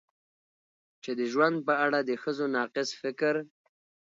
چې د ژوند په اړه د ښځو ناقص فکر